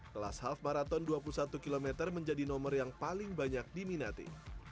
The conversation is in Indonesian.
kelas half marathon dua puluh satu km menjadi nomor yang paling banyak diminati